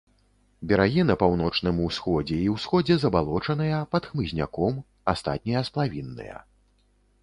Берагі на паўночным усходзе і ўсходзе забалочаныя, пад хмызняком, астатнія сплавінныя.